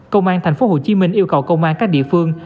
công an tp hcm yêu cầu công an các địa phương